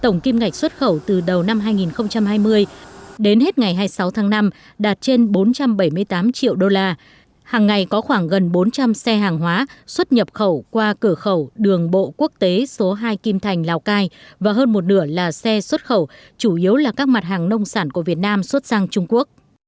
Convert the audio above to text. ngoài mặt hàng quả vải tăng mạnh các mặt hàng nông sản khác của việt nam xuất qua trung quốc qua cửa khẩu lào cai cũng duy trì được mức tăng trưởng khá